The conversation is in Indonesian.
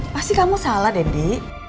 pasti kamu salah dedy